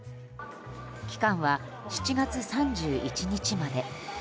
期間は７月３１日まで。